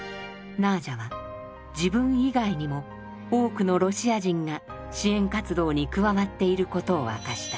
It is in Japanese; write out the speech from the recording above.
ナージャは自分以外にも多くのロシア人が支援活動に加わっていることを明かした。